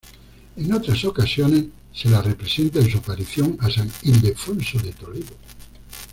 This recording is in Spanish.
En otras ocasiones se la representa en su aparición a San Ildefonso de Toledo.